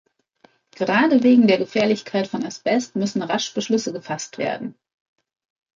Gerade wegen der Gefährlichkeit von Asbest müssen rasch Beschlüsse gefasst werden.